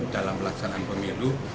dalam pelaksanaan pemilu